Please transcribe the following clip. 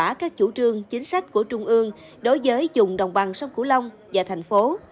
và các chủ trương chính sách của trung ương đối với dùng đồng bằng sông cửu long và thành phố